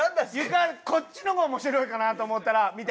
こっちの方が面白いかなと思うたら見て。